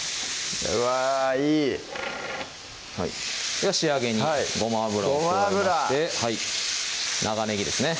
うわいいでは仕上げにごま油を加えまして長ねぎですね